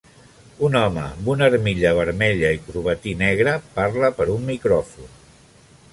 Un home amb una armilla vermella i corbatí negre parla per un micròfon.